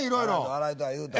笑いとか言うた。